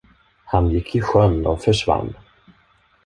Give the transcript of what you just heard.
Han gick i sjön och försvann.